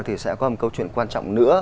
thì sẽ có một câu chuyện quan trọng nữa